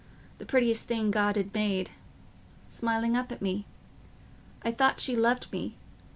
the prettiest thing God had made—smiling up at me... I thought she loved me...